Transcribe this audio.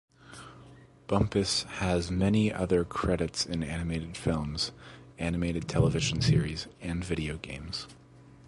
Bumpass has many other credits in animated films, animated television series, and video games.